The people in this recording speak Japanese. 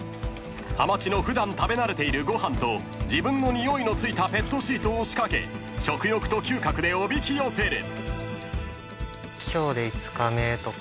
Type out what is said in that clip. ［はまちの普段食べ慣れているご飯と自分のにおいの付いたペットシートを仕掛け食欲と嗅覚でおびき寄せる］